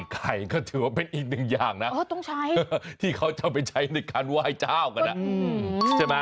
ไข่ก็ถือว่าเป็นอีกหนึ่งอย่างนะที่เขาจะไปใช้ในการไหว้เจ้ากันใช่ไหม